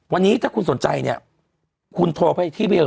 วันนี้ถ้าคุณสนใจเนี่ยคุณโทรไปที่เวล